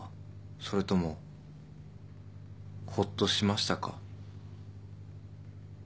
それともほっとしましたか？